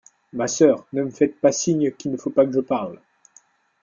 Ma soeur, ne me faites pas signe qu'il ne faut pas que je parle.